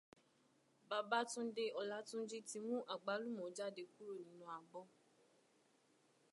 Babátúndé Ọlátúnjí ti mú àgbálùmọ́ jáde kúrò nínú abọ́